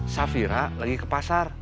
safira lagi ke pasar